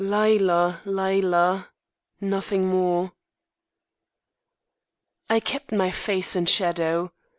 'Lila! Lila!' Nothing more." I kept my face in shadow.